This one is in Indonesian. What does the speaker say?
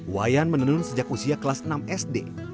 wayan menenun sejak usia kelas enam sd